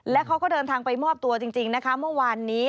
และเขาก็เดินทางไปมอบตัวจริงนะคะเมื่อวานนี้